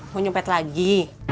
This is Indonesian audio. mau nyupet lagi